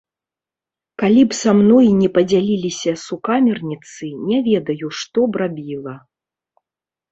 Калі б са мной не падзяліліся сукамерніцы, не ведаю, што б рабіла.